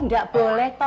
nggak boleh toh